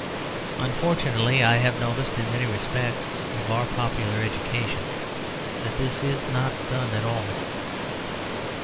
Unfortunately, I have noticed in many aspects of our popular education that this is not done at all.